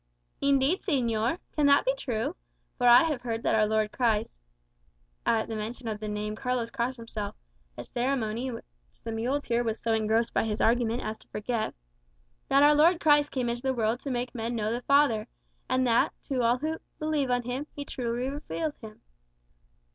"Indeed, señor! Can that be true? For I have heard that our Lord Christ" (at the mention of the name Carlos crossed himself, a ceremony which the muleteer was so engrossed by his argument as to forget) "that our Lord Christ came into the world to make men know the Father; and that, to all that believe on him, he truly reveals him."